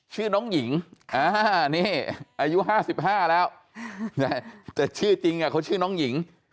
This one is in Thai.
ชื่อน้องหญิงนี่อายุ๕๕แล้วแต่ชื่อจริงเขาชื่อน้องหญิง